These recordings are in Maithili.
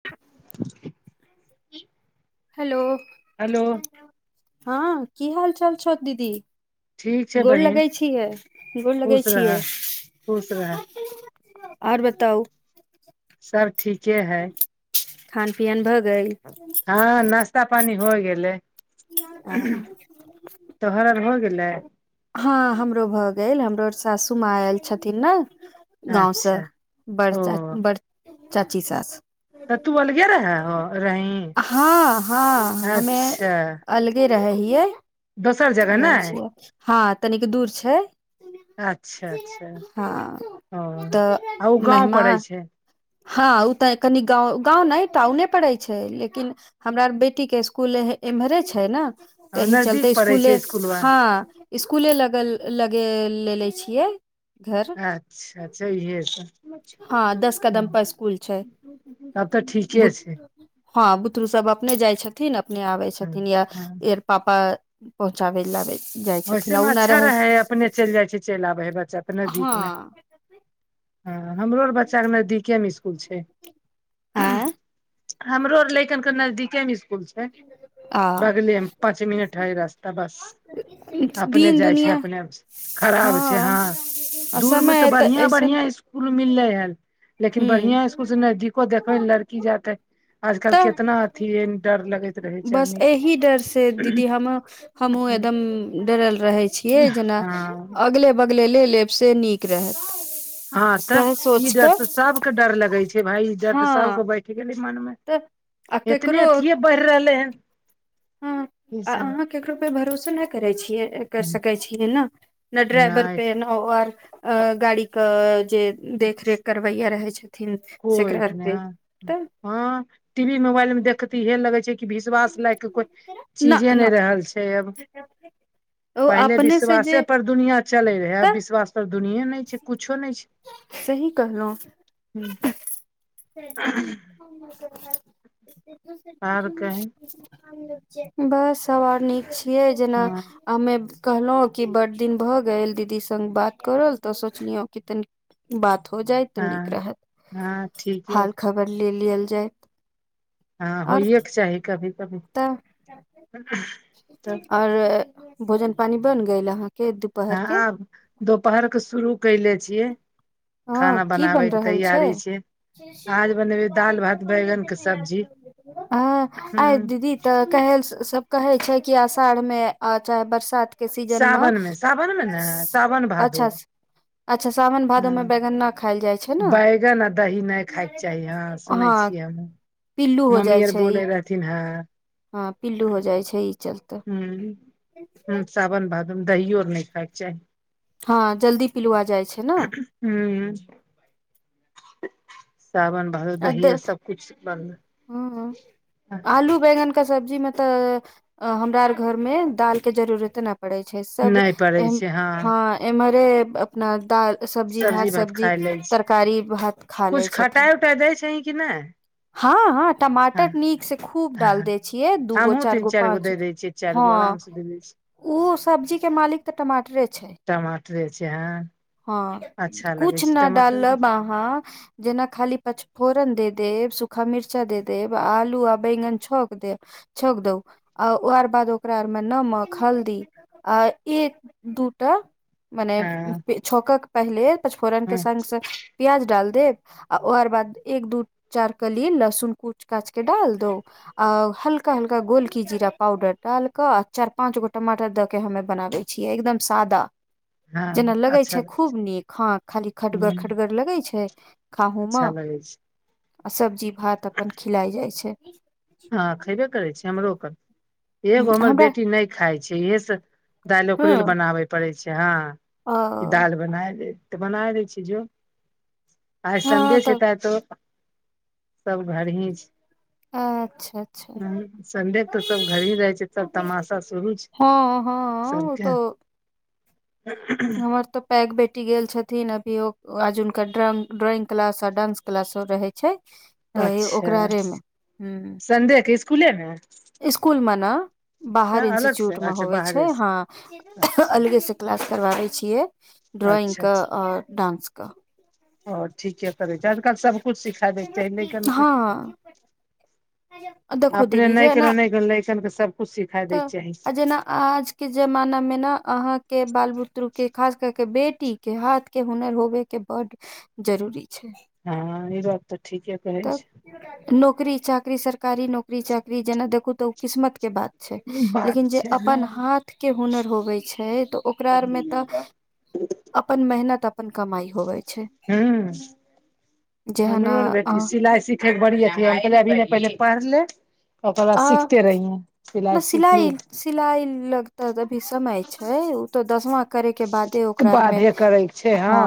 [inaudible] [inaudible] हेलो हेलो हँ की हाल चाल छौ दीदी ठीक छै गोर बहिन लगै छियै गोर लगै खुश रह छियै खुश रह आओर बताउ सब ठीके हय खान पियन भऽ गेल हँ नास्ता पानि होइ गेलै तोहर आर हो गेलै हँ हमरो भऽ गेल हमरो और सासू माँ आयल छथिन नऽ गाँवसँ अच्छा बड़ ओ चा बड़ चाची सास तऽ तू अलगे रहेहो रही हँ हँ हमे अच्छा अलगे रहै हिये दोसर जगह रहै नहि छियै हँ तनिक दूर छै अच्छा अच्छा हँ ओ तऽ आ ओ गाँव पड़ै मेहमान छै हँ उ तऽ कनीक गाँव गाँव नहि टाउने पड़ैत छै लेकिन हमरा बेटी के स्कूल एम्हरे छै ने आ तहि नजदीक चलते पड़ै स्कूले छै स्कुलबा हँ स्कूले लगल लगे लेे ले छियै घर अच्छा अच्छा जैहे तऽ हँ दस कदम पर स्कूल छै तब तऽ ठीके बु छै हँ बुतरू सभ अपने जाइ छथिन, अपने आबै ह छथिन, या? ह एर पापा पहुँचाबै लाथिन। वैसेमे अच्छा रहै हऽ, अपने चलि जाइ छी, चलि आबै हइ, बच्चा अपने हँ दिकमे। हँ, हमरो आर बच्चाके नजदीकेमे स्कूल छै। आँय हमरो आर लइकनके नजदीके। आ बगलेमे पाँच मिनटकऽ रास्ता बस। अपने दिन जाइ छै, दुनिया अपने अबै छै, खराब छै हँ। आ दूरमे तऽ समय बढ़िया ऐसन बढ़िया अछि। स्कूल मिलले हऽ, लेकिन हूँ बढ़ियाँ स्कूलसँ ने देखबे लड़की जाते। आजकल तऽ केतेक अथी डर लगैत रहै छै बस आदमीके। एहि डर से दीदी हम हमहुँ एकदम। डरल रहै छियै, जेना हँ अगल बगल लऽ लेब, से नीक रहत। हँं तऽ सएह ई सोच डर सँ कऽ सभके डर लगै छै, भाई। डर हँ सभके बैसल छै। तऽ आ केकरो इतने अथी बढ़ रहल छै। हँ अहाँ केकरो पर भरोसा नहि करै छियै। कर सकै छियै ने, ड्राइवर नहि पर नहि, गाड़ीके जे कुछ देखरेख करबैयऽ रहै छथिन कोइ सेक्रेटरी नहि तऽ। हँ टीवी मोबाइलमे देखिते इएह लगै छै। कि विश्वास नामक कोइ न चीजे नहि न रहल छै आब। ओ पहिने अपने से विश्वास जे पर दुनिया चलैत रहै, तऽ आब विश्वास पर दुनिया नहि छै, किछो नहि छै। सही कहलहुँ। दर तऽ क ल आर कही [unintelligible] बस, सभ आर नीक छियै जेना। हँ हमरा कहलहुँ कि बड़ दिन भऽ गेल दीदीसँ बात केने, तऽ सोचलहुँ कि तनि बात भऽ जाइत तऽ नीक हँ रहत, हँ ठीक य हाल खबर लऽ लेल जाइत। हँ, होइके चाही कभी। कभी तऽ तब आओर भोजन पानी बन गेल अहाँके? दुपहर के हँ, दुपहरके शुरू कऽ लेलियै। हँ, की बनि रहल छै? आज बनेबै दाल भात बैगन के सब्जी हँ, ह आय दीदी। तऽ कहल सभ कहै छै कि आषाढ़मे, चाहे बरसातमे। के सीजनमे सावन मे सावन मे ने सावन भादो अच्छा? अच्छा सावन भादो में हँ, बैगन न खायल जाइ छै ने बैगन आ दही नहि खायके चाही हँ। सुनै हँ छियै। पिल्लू हो जाइ छै ई। है हँ पिल्लू हो जाइ छै। ई चलते हँ हँ, सावन भादवमे दही आर नहि खायके चाही। हँ, जल्दी पिलुआ जाइ छै ने। हँ, सावन भादवमे दही आओर सभ किछु बन्द। ह [inaudible] आलू बैगनके सब्जीमे तऽ हमरा आर घरमे दालके जरूरत ने। पड़ै छै सभ, नहि पड़ै छै हँ, एम्हरे। अपना दाल, सब्जी, भात, सब्जी खाय लै छी तरकारी, भात खा लै कुछ छथिन। खटाइ उटाइ दै छही कि नहि हँ हँ, हँ टमाटर नीकसँ खूब हँ डाल हँ दै छियै दू गो, हमहूँ तीन चारि गो, पाँच दे गो। दै चारि गो आरामसँ दऽ। ओहि सब्जीके मालिक तऽ टमाटरे छै। टमाटरे छै हँ। हँ, अच्छा लगै किछु छै नहि टमाटर डालब अहाँ, जेना खाली पच फोरन दऽ देब, सूखा मिरचा दऽ देब, आलू आ बैंगन छौंक दऽ देब। छौंक दऽ आ ओकर बाद ओकरामे नमक हल्दी। आ एक दू‌ टा मने हँ छौंकक पहिले पचफोरन के हँ संग संग प्याज डाल देब आ ओकर बाद एक दू चार कली लहसुन कूच काच के डाल दो आ हल्का हल्का गोलकी जीरा पाउडर डाल के आ चार पाँच गो टमाटर दऽ के हमे बनावै छियै एकदम सादा जेना हँ लगै अच्छा छै खूब नीक हँ खाली खटगर हूँ खटगर लगै छै खाहू मे अच्छा लगै छै आ सब्जी भात अपन खिलाय जाइ छै हँ खैबे करै छै हमरो पर हुं, एगो हमर हमरा बेटी नहि खाय छै इहे सब दालि हँ ओकरे ले बनाबे पड़ै छै हँ ओ दालि बना देब तऽ बनाइ दै छै जो आइ सन्डे छै तऽ आइ त सब घर ही छै अच्छा संडे के तऽ सब घरही रहै छै सब तमाशा शुरू छै हँ हँ ओ सबके तऽ हमर तऽ पैग बेटी गेल छथिन अभी आज हुनका ड्रॉइंग ड्रॉइंग क्लास आ डांस क्लासो रहै छै तऽ अच्छा ओकरारे मे ह संडेके स्कूल मे स्कूल मे ना बाहर अलग से इंस्टिच्यूट मे अच्छा होवै छै बाहरे से हँ अच्छा अलगे से क्लास करबाबे छियै ड्रॉइंग के और डांस के ओ ठीके करै छै आजकल सभकिछु सिखा दयके चाही लैकन के हँ देखो अपने दीदी नहि जे ने [unintelligible] सबकुछ सिख तब आ जेना आजके जमाना मे ने अहाँके बाल बुतरूके खास करके के बेटी के हाथ के हुनर होबे के बड्ड जरूरी छै हँ ई बात तऽ ठीके कहै तऽ छियै नौकरी चाकरी सरकारी नौकरी चाकरी जेना देखू तऽ ओ किस्मत के बात बात लेकिन जे छै अपन हँ हाथ के हुनर होबै छै तऽ ओकरा आरमे तऽ ह [inaudible] अपन मेहनत अपन कमाइ होबे हूँ जेहन हमरो और अ बेटी सिलाइ सिख फेर बड़ी अथि हम कहले अभी ने पहिल पढ़ि ले ओकर बाद अआ सिखते रहिहे नहि सिख ली सिलाइ सिलाइ लग तऽ अभी समय छै तो दसमा करे के बादे ओकरा आर मे बाधे करैके छै हँ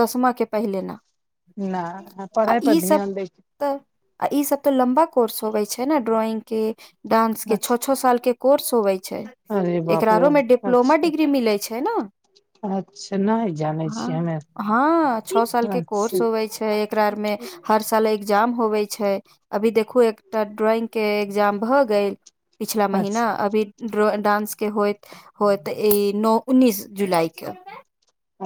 दसमा के पहिले न नहि पढ़ाइ पर ध्यान दै तब आ ई सब तऽ लम्बा कोर्स होबे छै ने ड्रॉइंग के डांस के छौ अच्छा छौ साल के कोर्स होवै छै अरे बाप एकरा रे आरो मे डिप्लोमा अच्छा डिग्री मिलै छै ने अच्छा नहि जानै छियै हँ हमे हँ छौ साल के कोर्स अच्छा होवै छै एकरा आर मे हर साल एग्जाम होवे छै अभी देखू एकटा ड्रॉइंग के एग्जाम भऽ गेल पिछला अच्छा महीना अभी डांस के होइत होइत ई नओ उन्नीस जुलाई के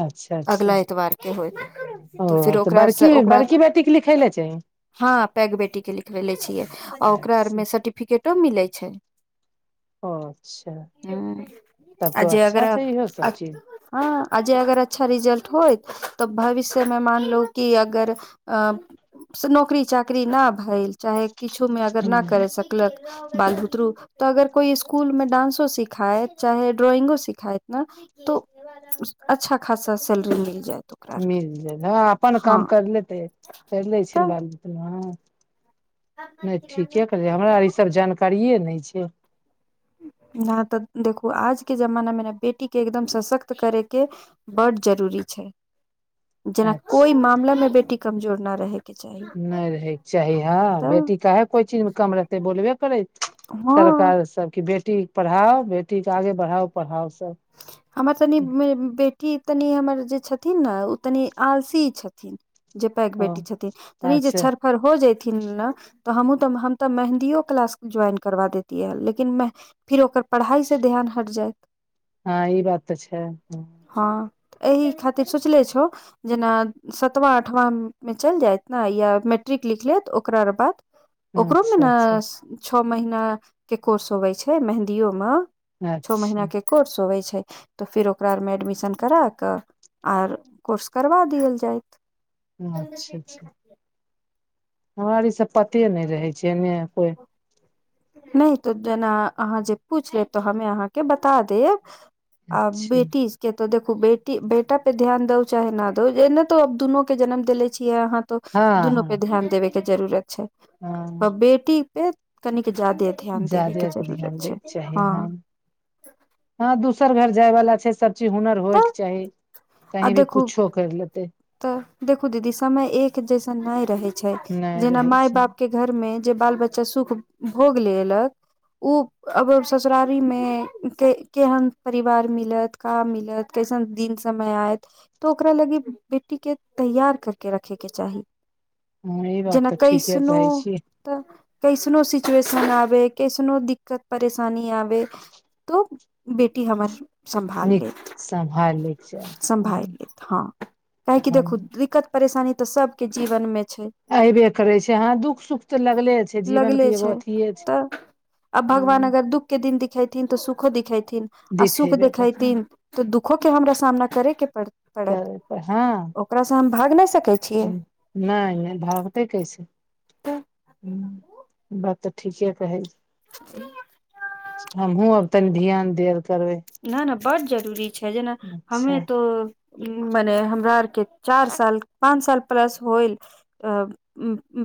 अच्छा अच्छा अगला एतवार के होयत तऽ फेर ओ ओकरा बड़की आरसे ओकरा बड़की बेटीके लिखै लए चाही हँ पैघ बेटीके लिखबेेले छियै आ ओकरा अच्छा आरमे सर्टिफिकेटो मिलै छै ओ अच्छा हूम्म तब आ तो जे अच्छा अगर छै इहो सब हँ आ जे अगर अच्छा रिजल्ट होइत तऽ भविष्य मे मानलियौ कि अगर से नौकरी चाकरी न भइल चाहे किछोमे अगर न चीज करै सकलक बाल बुतरू तऽ अगर कोइ स्कूलों मे डांसौ सिखाएत चाहे ड्रॉइंगो सिखाएत न तऽ अच्छा खासा सैलरी मिल जाएत ओक मिल जाइ हँ अपन काम कर लेतै कर लै छै तऽ बाल बुतरु हँ नहि, ठीकसँ करियै हमरा, आर ई सभ जानकारीए नहि छै। न तऽ देखू, आजुक जमाना मे ने बेटीके एकदम सशक्त करेके चाही। बड्ड जरूरी छै, जेना अच्छा कोनो मामिलामे बेटी कमजोर नहि रहै। नहि रहैके चाही हँ। तऽ बेटी किएक कोनो चीजमे कम रहतै, बोलबे करै। हँ सरकारो तऽ कहै छै बेटी पढ़ाओ, बेटीकेँ आगाँ बढ़ाओ, पढ़ाओ सभ। हमर जे बेटी छथिन ने, ओ तनि आलसी छथिन। जे पैघ ओ बेटी छथिन ने, ओ तनि अच्छा छरफर हो जाइत छथिन। तऽ हमहूँ तऽ मेहन्दी क्लास ज्वाइन करबा दैती, लेकिन फेर ओकर पढ़ाइसँ ध्यान हटि जायत। हँ ई बात तऽ छै। हँ, एहि खातिर सोचले छियौ। जेना सातवाँ आठवाँमे चलि जायत ने, या मैट्रिक लिख लेत, ओकरा बाद। ओकरोमे अच्छा ने अच्छा छओ महीनाक कोर्स होइत छै, मेहन्दीमे। छओ अच्छा महीनाक कोर्स होइत छै तऽ फेर ओकरामे एडमिशन करा कऽ आर कोर्स करबा देल जाय। अच्छा अच्छा हमरा ई सभक पते नहि रहै छै, एना कोनो। नहि, तऽ जेना अहाँ जे पूछ लेब, तऽ हम अहाँकेँ बता देब। आ अच्छा बेटी स के तऽ देखू, बेटी बेटा पर ध्यान दै छी कि नहि। एहन तऽ आब दुनूकेँ जन्म देने छियै अहाँ। तऽ हँ दुनू पर हँ ध्यान देबऽके जरूरत छै, हँ आ बेटी पर तऽ विशेष ध्यान देबऽके चाही। कनि बेसी ध्यान देबऽके जादे के जरूरत ध्यान छै दैके चाही हँ। हँ, दोसर घर जाय वाला छै, तेँ सभ चीजक हुनर होए तऽ के चाही, आ कतौ देखू किछुओ कमी नहि रहबाक चाही। करलेतै तऽ देखू दीदी, समय एक्के जकाँ नहि रहै छै, नहि जेना रहै माय छै बापकेँ। घरमे जे बाल बच्चा सुख भोगि लेलक ओ आब ससुरारीमे केहन परिवार मिलैत। का मिलतै, कैसन दिन समय अयतै तऽ ओकरा लेल बेटीकेँ तैयार कऽ कऽ रखऽके चाही। हँ, ई बात जेना तऽ ठीके कैसनो कहै छियै। तऽ कैसनो परिस्थिति आबै, कैसनो दिक्कत परेशानी आबै [unintelligible] तो बेटी हमर सम्हारि नीक लेत, सम्हारि लैके चाही हँ सम्हारि लेत हँ। किएक तँ देखू, हँ, दिक्कत परेशानी तऽ सभक जीवनमे छै। ऐबे करै छै हँ, दुःख सुख तऽ लगले रहै छै, लगले जीवनकेँ छै एकरंग नहि होइत छै। तऽ अब भगवान हँ अगर दुःखके दिन देखेथिन तऽ सुखो देखेथिन, आ सुखके दिन दिखेबे देखेथिन तऽ करै दुःखो देखेथिन। तऽ दुःखोकेँ हमरा सामना करऽके पड़तै आब। हँ ओहिसँ हम भाग नहि सकै छियै। नहि, नहि भागतै, कैसै ठीके कहै छियै। [unintelligible] हमहूँ आब तनि ध्यान देबऽ करबै। नहि, बड्ड जरूरी छै, जेना हम अच्छा तऽ ओ मने हमरासँ चारि पाँच साल प्लस होयत।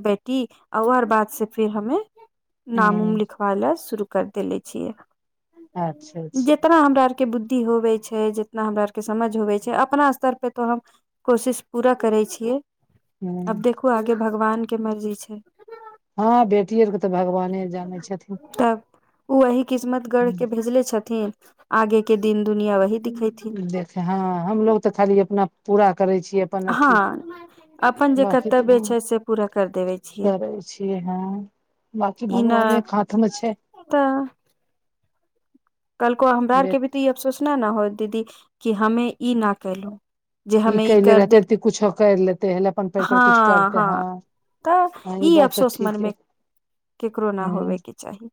बेटीकेँ बादसँ फेर हम नाम हूँ लिखेबा लेल शुरू कऽ देने छियै। अच्छा अच्छा जतेक हमरा आरकेँ बुद्धि होइ छै, जतेक हमरा आरकेँ समझ होइ छै, अपना स्तर पर तऽ हम कोशिश पूरा करै छियै, हूँ आब देखू, आगाँ भगवानकेँ मर्जी छै। हँ बेटी आरके तऽ भगवाने जानै छथिन तब ओ एही किस्मत गढ़ि हूँ, कऽ पठौने छथिन, आगाँके दिन दुनिया ओही देखेथिन। देखे हँ, हमसभ तऽ खाली अपन पूरा करै छियै। [unintelligible] हँ अपन जे बाकी तऽ कर्तव्य छै से पूरा कर देबे छियै करै छियै हँ। बाकी ई न भगवानक हाथमे छै। काल्हि हमरा बे आरकेँ ई अफसोस नहि होयत, दीदी, जे हम ई नहि कऽ सकलहुँ। ई कऽ लेने रहितहुँ तऽ किछुओ करि लेने रहितहुँ हे, अपन पैर पर हँ किछु हँ करितहुँ। तऽ ई अफसोस मोनमे केकरो नहि ह होयबाक चाही।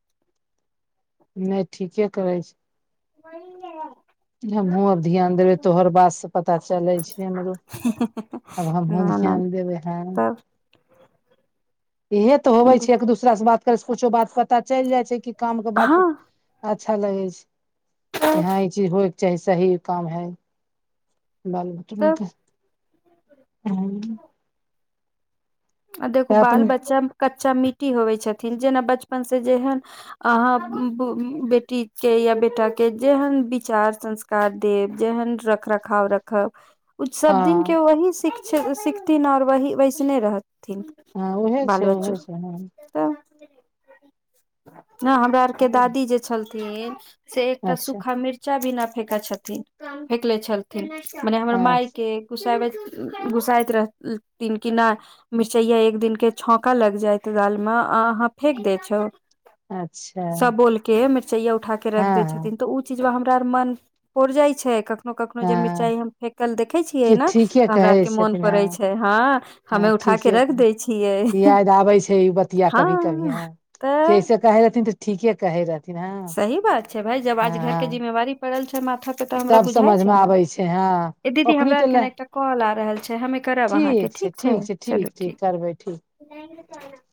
नहि ठीके कहे छै। [unintelligible] हमहूँ आब तोहर बात पर ध्यान देबै। आब हमहूँ न न ध्यान देबै हँ। तब इएह तऽ होइ छै, एक दोसरासँ बात करै छी, पूछै छी, तऽ बहुत बात पता चलि जाइ छै जे कामके बात हँ छै। अच्छा लगै छै कि तब हँ, ई चीज होय। चाहे सही काम हइ बाल। तब हँ आ देखू, बाल अपन बच्चा कच्चा माटि होइत छथिन, जेना बचपन सँ जेहन। अहाँ बेटीके या बेटाके जेहन विचार संस्कार कार देब, जेहन विचार, संस्कार आ रख रखाव। सभ दिन हँ ओ सीखैत छथि आओर ओहिना वैसने रहैत छथि। हँ उहे बाल छै बच्चा उहे छै हँ तऽ नहि हमरा। जे दादी छलथिन, से एकटा अच्छा सूखा मिरच। चाभी नहि फेकैत छथिन, फेकले छलथिन, मने हमर अच्छा मायके। घुसैत घुसबैत रहथिन कि नहि? मिरचाइ एक दुइटा छौंका लागि दालमे अहाँ फेक दैत छौ। अच्छा सभ बोलि कऽ मिरचाइ उठा कऽ रखि दैत हँ छथिन तऽ ओ। चीज हमरा आर मोन पड़ि जाइ छै क। कखनो कखनो जे हँ मिरचाइ हम फेकल देखैत छी कि ने, ठीके तऽ हमरा कहै आरके मोन छथिन पड़ै हँ छै हँ। हँ उठा के ठीके रख दै छियै याद आबै छै ई बतिया, हँ कखनो कखनो एतय तऽ केना? कहैत रहथिन तऽ ठीके कहैत रहथिन। हँ सही बात छै भाय, जखन आज घरक हँ जिम्मेवारी माथ पर तब पड़ल छै। समझमे आबै छै हँ ई दीदी, ओखनी हमरा तऽ आरके ल एको कॉल नहि आबि रहल छै, हमे करब अहाँके। ठीक छै ठीक छै, ठीक ठीक करबै, ठीक। कह [unintelligible]